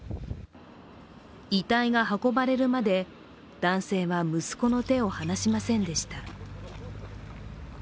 遺体が運ばれるまで男性は息子の手を離しませんでした。